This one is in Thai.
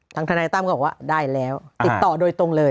ทนายตั้มก็บอกว่าได้แล้วติดต่อโดยตรงเลย